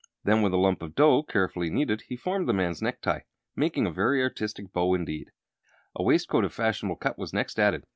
Then with a lump of dough, carefully kneaded, he formed the man's necktie, making a very artistic bow indeed. A waistcoat of fashionable cut was next added.